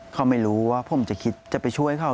เขาไม่รู้ว่าผมจะคิดจะไปช่วยเขา